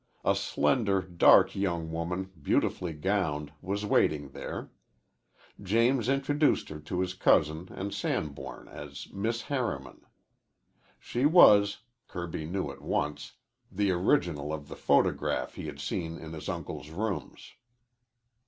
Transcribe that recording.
A slender, dark young woman, beautifully gowned, was waiting there. James introduced her to his cousin and Sanborn as Miss Harriman. She was, Kirby knew at once, the original of the photograph he had seen in his uncle's rooms.